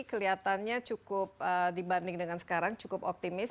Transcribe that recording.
kelihatannya cukup dibanding dengan sekarang cukup optimis